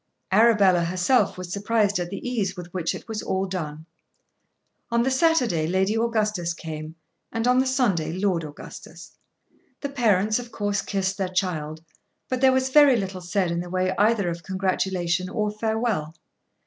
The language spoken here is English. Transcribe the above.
Arabella herself was surprised at the ease with which it was all done. On the Saturday Lady Augustus came, and on the Sunday Lord Augustus. The parents of course kissed their child, but there was very little said in the way either of congratulation or farewell.